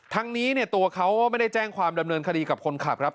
ทั้งนี้เนี่ยตัวเขาไม่ได้แจ้งความดำเนินคดีกับคนขับครับ